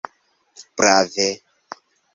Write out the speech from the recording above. Brave!